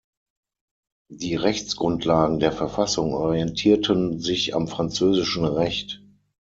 Die Rechtsgrundlagen der Verfassung orientierten sich am französischen Recht.